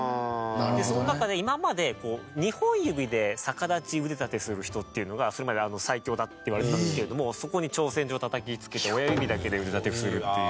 その中で今まで２本指で逆立ち腕立てする人っていうのがそれまで最強だっていわれてたんですけれどもそこに挑戦状をたたきつけて親指だけで腕立てをするっていう。